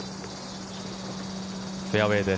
フェアウェーです。